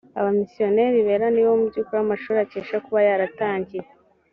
abamisiyoneri bera ni bo mu by’ukuri amashuri akesha kuba yaratangiye